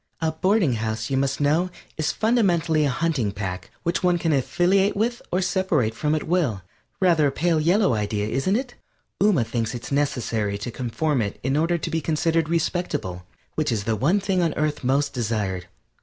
A Boarding House, you must know, is fundamentally a hunting pack which one can affiliate with or separate from at will. Rather a pale yellow idea, isn't it? Ooma thinks it necessary to conform to it in order to be considered respectable, which is the one thing on Earth most desired.